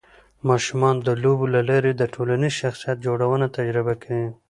ماشومان د لوبو له لارې د ټولنیز شخصیت جوړونه تجربه کوي.